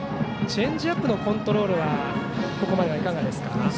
チェンジアップのコントロールはここまではいかがですか？